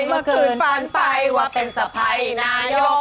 เมื่อคืนฝันไปว่าเป็นสะพ้ายนายก